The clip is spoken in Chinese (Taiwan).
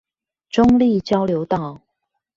中壢交流道